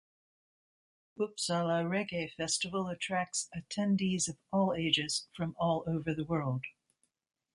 Uppsala Reggae Festival attracts attendees of all ages from all over the world.